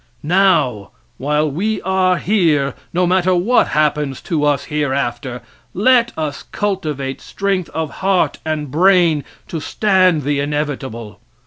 Now, while we are here, no matter what happens to us hereafter, let us cultivate strength of heart and brain to stand the inevitable.